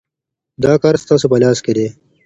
دا کار ستاسو په لاس کي دی.